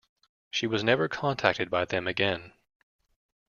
She was never contacted by them again.